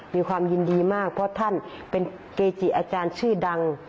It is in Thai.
มีความยินดีมากเพราะท่านเป็นเกจิอาจารย์ชื่อดัง